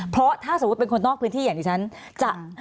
เพราะถ้าสมมุติเป็นคนนอกพื้นที่อย่างที่ฉันจะ